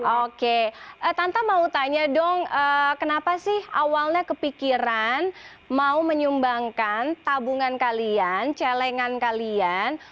oke tanta mau tanya dong kenapa sih awalnya kepikiran mau menyumbangkan tabungan kalian celengan kalian